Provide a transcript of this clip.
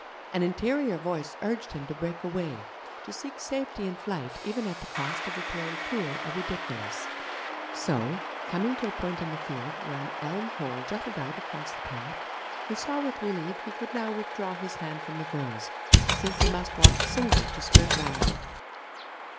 An interior voice urged him to break away, to seek safety in flight even at the cost of appearing cruel or ridiculous; so, coming to a point in the field where an elm hole jutted out across the path, he saw with relief he could now withdraw his hand from the girl's, since they must walk singly to skirt round it.